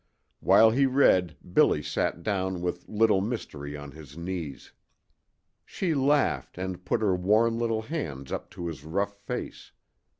While he read Billy sat down with Little Mystery on his knees. She laughed and put her warm little hands up to his rough face.